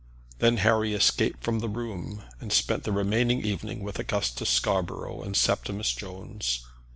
Then Harry escaped from the room, and spent the remaining evening with Augustus Scarborough and Septimus Jones.